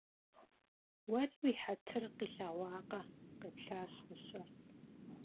- Уэри уи хьэтыр къилъэгъуакъэ? - къеплъащ мыщэр.